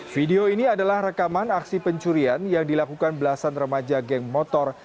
video ini adalah rekaman aksi pencurian yang dilakukan belasan remaja geng motor